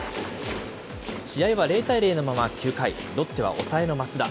試合は０対０のまま９回、ロッテは抑えの益田。